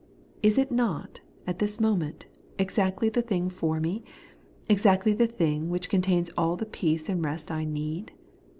Is it not, at this moment, exactly the thing for me ; exactly the thing which contains all the peace and rest I need